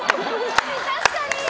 確かに！